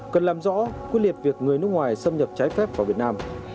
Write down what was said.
cần làm rõ quyết liệt việc người nước ngoài xâm nhập trái phép vào việt nam